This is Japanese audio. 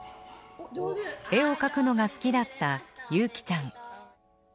絵を描くのが好きだった優希ちゃん。